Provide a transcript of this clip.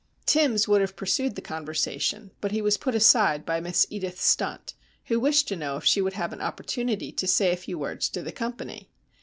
Timbs would have pursued the conversation, but he was put aside by Miss Edith Stunt, who wished to know if she would have an opportunity to say a few words to the company.